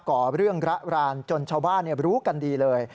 ่อเรื่องระรานจนชาวบ้านรู้กันดีเลย